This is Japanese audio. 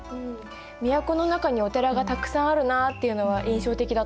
都の中にお寺がたくさんあるなっていうのは印象的だった。